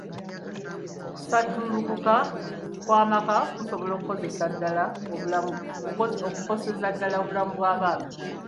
Okusattulukuka kw'amaka kusobola okukoseza ddala obulamu bw'abaana.